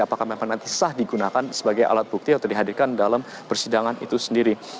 apakah memang nanti sah digunakan sebagai alat bukti atau dihadirkan dalam persidangan itu sendiri